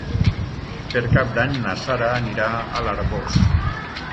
Per Cap d'Any na Sara anirà a l'Arboç.